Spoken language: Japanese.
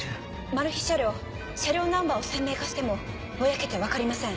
マルヒ車両車両ナンバーを鮮明化してもぼやけて分かりません。